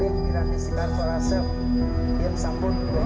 yang sambut juga tergantung